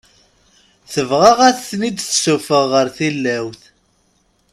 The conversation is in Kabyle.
Tebɣa ad ten-id-tessuffeɣ ɣer tilawt.